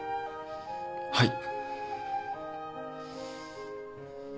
はい